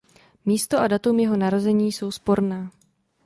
Místo a datum jeho narození jsou sporná.